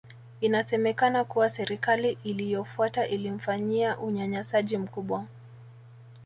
Inasemekana kuwa Serikali iliyofuata ilimfanyia unyanyasaji mkubwa